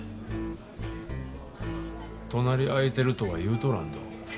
隣空いてるとは言うとらんど。